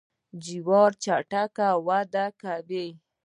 جوار چټک وده کوي.